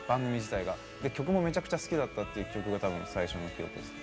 曲もめちゃくちゃ好きだったっていう記憶が多分最初の記憶です。